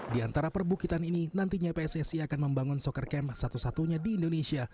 di antara perbukitan ini nantinya pssi akan membangun soccer camp satu satunya di indonesia